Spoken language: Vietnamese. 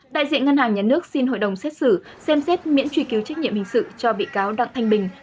đại diện ngân hàng nhà nước xin hội đồng xét xử xem xét miễn truy cứu trách nhiệm hình sự cho bị cáo đặng thanh bình